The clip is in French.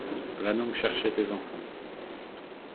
Va donc chercher tes enfants.